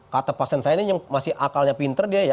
kata pasien saya ini yang masih akalnya pinter dia ya